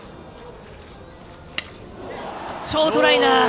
ショートライナー！